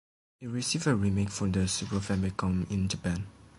It received a remake for the Super Famicom in Japan.